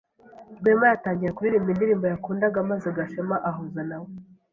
Rwema yatangiye kuririmba indirimbo yakundaga maze Gashema ahuza na we.